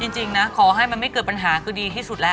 จริงนะขอให้มันไม่เกิดปัญหาคือดีที่สุดแล้ว